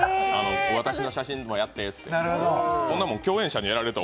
私の写真にもやってとかって。